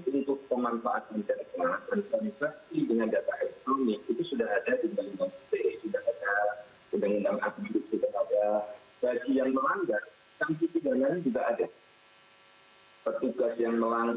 pertama kita harus melihat